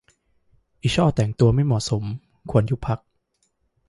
อีช่อแต่งตัวไม่เหมาะสม - ควรยุบพรรค